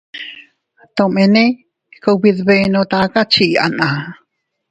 Tomene kubidbenno taka chii anaa.